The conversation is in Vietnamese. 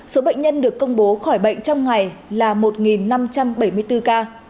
số bệnh nhân được công bố khỏi bệnh trong ngày là một năm trăm bảy mươi bốn ca